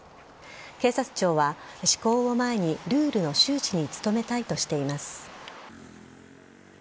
警察庁は、施行を前にルールの周知に努めたいとしています。